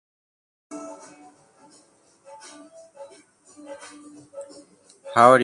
Factors were conservation of sensitive ecosystems and retaining visitors to the area.